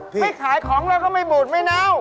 ไม่ขายของแล้วก็ไม่บูดไม่เน่า